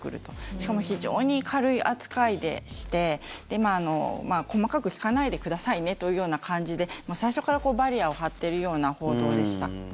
しかも非常に軽い扱いでして細かく聞かないでくださいねというような感じで最初からバリアーを張っているような報道でした。